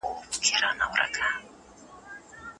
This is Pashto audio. که پرمختيا وسي د ژوند بڼه بدليږي.